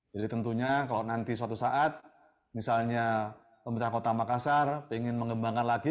tentunya kalau nanti suatu saat misalnya pemerintah kota makassar ingin mengembangkan lagi